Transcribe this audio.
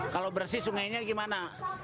kalau bersih sungainya gimana